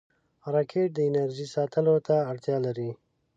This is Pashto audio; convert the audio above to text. راکټ د انرژۍ ساتلو ته اړتیا لري